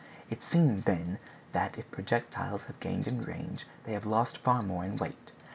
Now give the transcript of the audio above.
It seems, then, that if projectiles have gained in range, they have lost far more in weight.